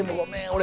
俺